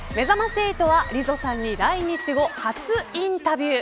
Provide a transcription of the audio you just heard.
めざまし８は、ＬＩＺＺＯさんに来日後初インタビュー。